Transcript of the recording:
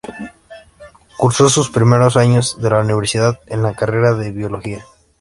Cursó sus primeros años de la universidad en la carrera de Biología.